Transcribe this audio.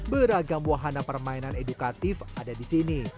beragam wahana permainan edukatif ada di sini